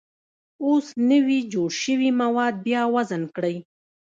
اوس نوي جوړ شوي مواد بیا وزن کړئ.